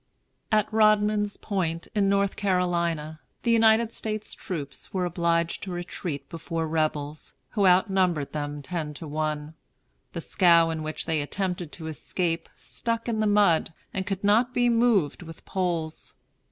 At Rodman's Point, in North Carolina, the United States troops were obliged to retreat before Rebels, who outnumbered them ten to one. The scow in which they attempted to escape stuck in the mud, and could not be moved with poles.